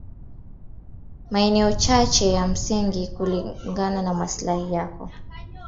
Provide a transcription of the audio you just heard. maeneo machache ya msingi kulingana na maslahi yako